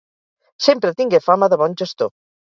Sempre tingué fama de bon gestor.